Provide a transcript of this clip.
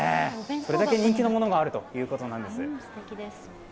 それだけ人気のものがあるということです。